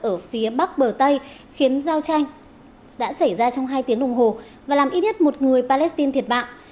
ở phía bắc bờ tây khiến giao tranh đã xảy ra trong hai tiếng đồng hồ và làm ít nhất một người palestine thiệt mạng